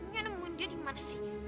nyenemun dia di mana sih